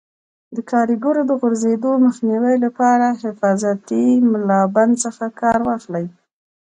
د کاریګرو د غورځېدو مخنیوي لپاره حفاظتي ملابند څخه کار واخلئ.